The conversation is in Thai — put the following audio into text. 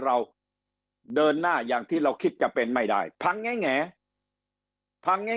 เราเดินหน้าอย่างที่เราคิดจะเป็นไม่ได้พังแงพังแง่